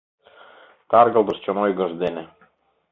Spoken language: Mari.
Таргылтыш чон ойгыж дене